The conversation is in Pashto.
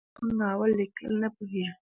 راته کړه یې چې شپون ناول ليکل نه پوهېږي.